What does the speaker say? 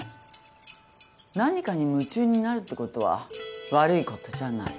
何かに夢中になるってことは悪いことじゃない。